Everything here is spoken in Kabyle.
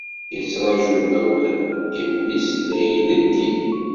Yettraǧu imawlan, imi-s la ileddi.